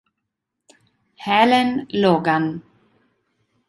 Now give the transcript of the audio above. Helen Logan